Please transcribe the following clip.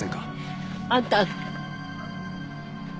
あんた。